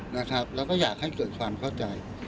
แล้วก็อยากให้เกิดความเข้าใจ